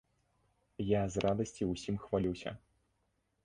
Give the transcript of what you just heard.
Я з радасці ўсім хвалюся.